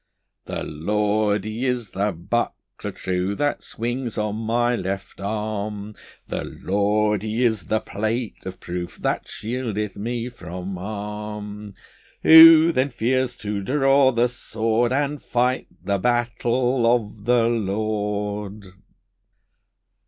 The Lord He is the buckler true That swings on my left arm; The Lord He is the plate of proof That shieldeth me from harm. Who then fears to draw the sword, And fight the battle of the Lord?